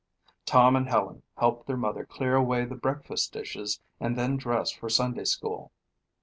Tom and Helen helped their mother clear away the breakfast dishes and then dressed for Sunday school.